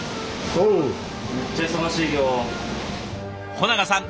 保永さん